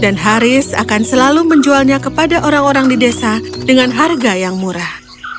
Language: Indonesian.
dan haris akan selalu menjualnya kepada orang orang di desa dengan harga yang murah